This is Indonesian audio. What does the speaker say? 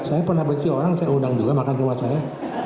saya pernah beksi orang saya undang juga makan rumah saya